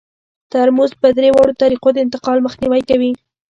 ترموز په درې واړو طریقو د انتقال مخنیوی کوي.